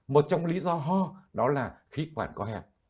một trong lý do đó là khí khoản có hẹp